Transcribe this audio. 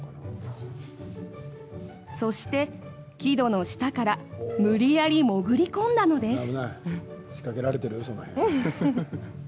そして、木戸のしたから、むりやりもぐりこんだのです！